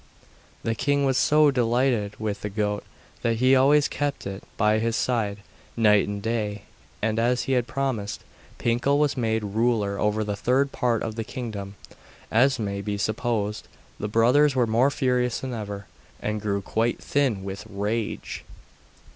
The king was so delighted with the goat that he always kept it by his side, night and day; and, as he had promised, Pinkel was made ruler over the third part of the kingdom. As may be supposed, the brothers were more furious than ever, and grew quite thin with rage.